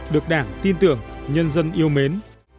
được đảng tin tưởng nhân dân yêu mến